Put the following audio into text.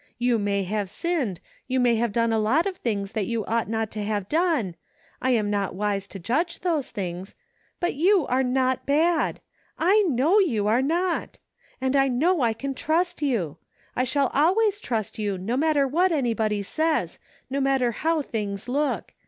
You may have sinned; you may have done a lot of things that you ought not to have done — ^I am not wise to judge those things — but you are not bad! I know you are not ! And I know I can trust you! I shall always trust you no matter what anybody says, no matter how things look